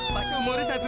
masa umurnya satu tahun